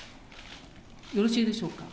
よろしいでしょうか。